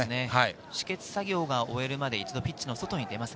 止血作業を終えるまで、一度ピッチの外に出ます。